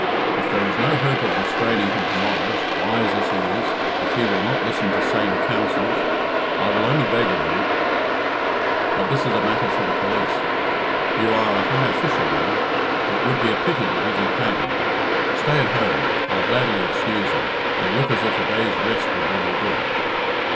If there is no hope of restraining him to morrow wise as he is, if he will not listen to saner counsels, I will only beg of you but this is a matter for the police. You are a high official now. It would be a pity to give you pain. Stay at home I'll gladly excuse you you look as if a day's rest would do you good."